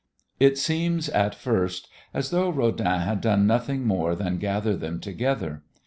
It seems at first as though Rodin had done nothing more than gather them together.